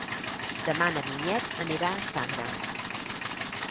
Demà na Vinyet anirà a Sagra.